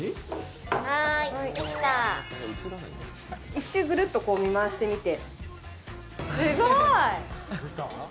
一周ぐるっと見回してみて。